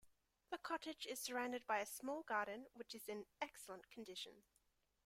The cottage is surrounded by a small garden which is in excellent condition.